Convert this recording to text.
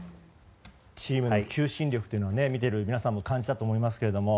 チームの求心力を見ている皆さんも感じたと思いますが。